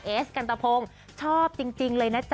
เอสกันตะพงชอบจริงเลยนะจ๊